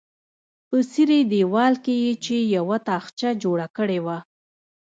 په څیرې دیوال کې یې چې یوه تاخچه جوړه کړې وه.